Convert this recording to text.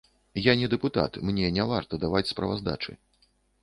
Я не дэпутат, мне не варта даваць справаздачы.